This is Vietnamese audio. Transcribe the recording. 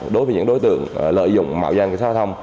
đối với những đối tượng lợi dụng mạo danh xã hội thông